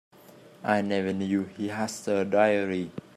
I never knew he had a diary.